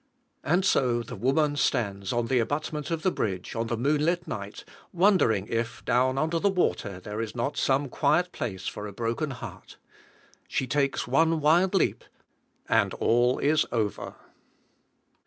And so, the woman stands on the abutment of the bridge, on the moon lit night, wondering if, down under the water, there is not some quiet place for a broken heart. She takes one wild leap, and all is over!